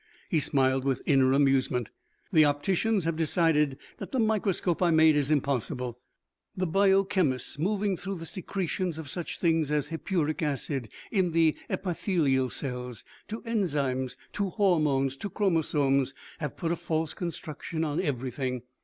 He smiled with inner amusement. "The opticians have decided that the microscope I made is impossible. The biochemists, moving through the secretions of such things as hippuric acid in the epithelial cells, to enzymes, to hormones, to chromosomes, have put a false construction on everything.